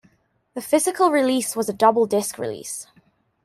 The physical release was a double-disc release.